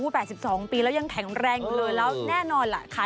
โอ้โห๘๒ปีแล้วยังแข็งแรงนะ